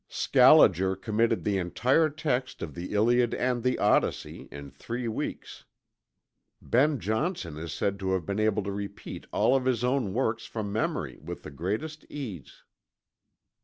Scaliger committed the entire text of the Iliad and the Odyssey, in three weeks. Ben Jonson is said to have been able to repeat all of his own works from memory, with the greatest ease.